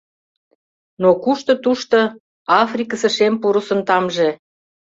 Но кушто тушто Африкысе шем пурысын тамже?